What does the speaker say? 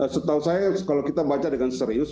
setahu saya kalau kita baca dengan serius